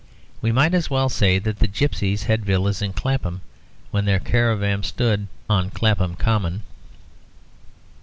We might as well say that the gipsies had villas in Clapham, when their caravans stood on Clapham Common.